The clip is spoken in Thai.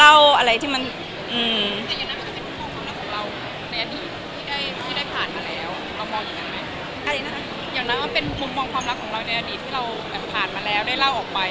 สามารถรู้ช่างความความรักในอดีตที่ได้เล่าออกไป